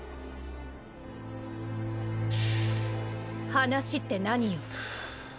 話って何よ？